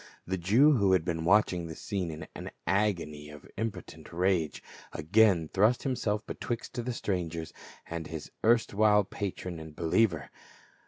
The Jew who had been watching the scene in an agony of impotent rage, again thrust himself betwixt the strangers and his erstwhile patron and believer.